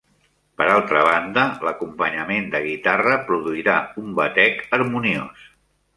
Per altra banda, l'acompanyament de guitarra produirà un batec harmoniós.